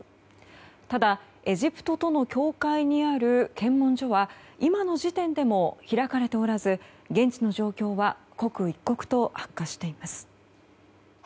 ただ、エジプトとの境界にある検問所は今の時点でも開かれておらず現地の状況は刻一刻と悪化しています。